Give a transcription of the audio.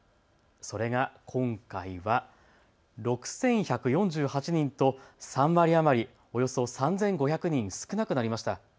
それが今回は６１４８人と３割余りおよそ３５００人少なくなりました。